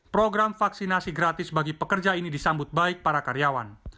program vaksinasi gratis bagi pekerja ini disambut baik para karyawan